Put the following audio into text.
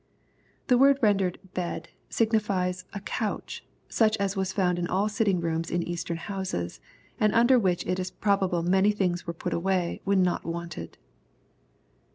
} The word rendered "bed," signifies "a couch," such as was found in all sitting rooms in eastern houses, and under which it is probable many things were put away, when not wanted.